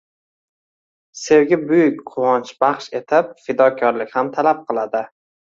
Sevgi buyuk quvonch baxsh etib, fidokorlik ham talab qiladi.